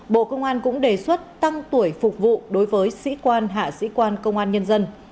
bộ công an cũng đề xuất tăng tuổi phục vụ đối với sĩ quan hạ sĩ quan công an nhân dân